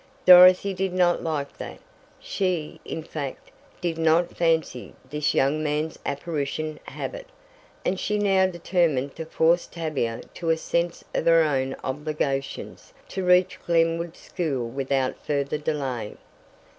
Dorothy did not like that. She, in fact, did not fancy this young man's "apparition" habit, and she now determined to force Tavia to a sense of her own obligations to reach Glenwood School without further delay.